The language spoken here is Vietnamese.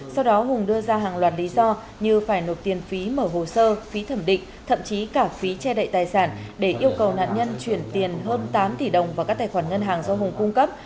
sau đó hùng đưa ra hàng loạt lý do như phải nộp tiền phí mở hồ sơ phí thẩm định thậm chí cả phí che đậy tài sản để yêu cầu nạn nhân chuyển tiền hơn tám tỷ đồng vào các tài khoản ngân hàng do hùng cung cấp